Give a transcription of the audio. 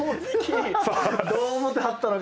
どう思ってはったのか。